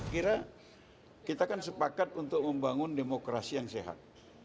kira kita kan sepakat untuk membangun demokrasi yang sehat